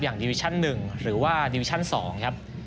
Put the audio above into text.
อย่างดิวิชัน๑หรือว่าดิวิชัน๒ครับ